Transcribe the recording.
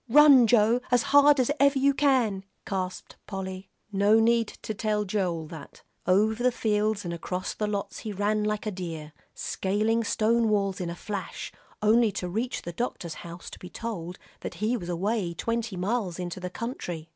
"Run, Joe, as hard as ever you can," gasped Polly. No need to tell Joel that. Over the fields and across lots he ran like a deer, scaling stone walls in a flash, only to reach the doctor's house to be told that he was away twenty miles into the country.